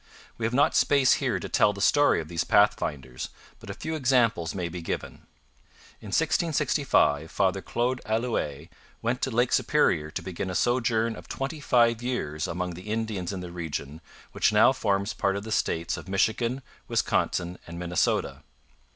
We have not space here to tell the story of these pathfinders, but a few examples may be given. In 1665 Father Claude Allouez went to Lake Superior to begin a sojourn of twenty five years among the Indians in the region which now forms part of the states of Michigan, Wisconsin, and Minnesota.